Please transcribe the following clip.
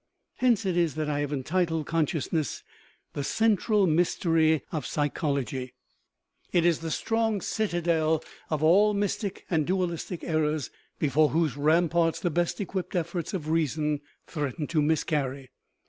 Hence it is that I have entitled con sciousness "the central mystery of psychology"; it 170 CONSCIOUSNESS is the strong citadel of all mystic and dualistic er rors, before whose ramparts the best equipped efforts of reason threaten to miscarry.